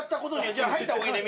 じゃあ入った方がいいね。